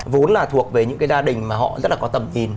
vốn là thuộc về những cái gia đình mà họ rất là có tầm nhìn